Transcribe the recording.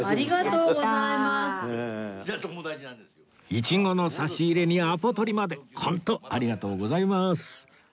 イチゴの差し入れにアポ取りまでホントありがとうございます